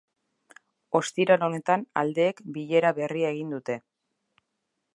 Ostiral honetan aldeek bilera berria egin dute.